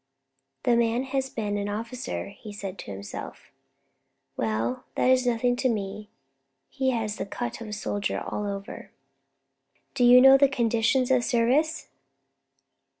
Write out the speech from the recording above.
"The man has been an officer," he said to himself. "Well, that is nothing to me; he has the cut of a soldier all over." "Do you know the conditions of service?